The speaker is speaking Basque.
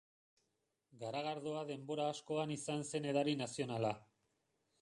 Garagardoa denbora askoan izan zen edari nazionala.